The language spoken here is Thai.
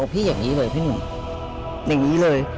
พี่อย่างนี้เลยพี่หนุ่มอย่างนี้เลย